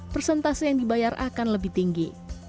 persentase yang dibayar akan lebih tinggi